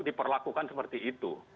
diperlakukan seperti itu